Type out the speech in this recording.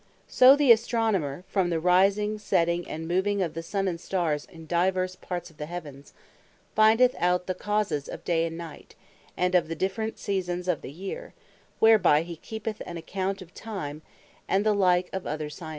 So the Astronomer, from the Rising, Setting, and Moving of the Sun, and Starres, in divers parts of the Heavens, findeth out the Causes of Day, and Night, and of the different Seasons of the Year; whereby he keepeth an account of Time: And the like of other Sciences.